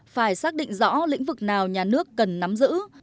phải xác định rõ lĩnh vực nào nhà nước cần nắm giữ